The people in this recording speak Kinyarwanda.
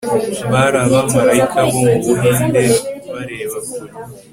bari abamarayika bo mu buhinde bareba kure